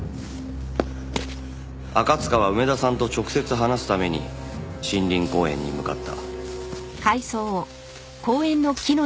赤塚は梅田さんと直接話すために森林公園に向かった。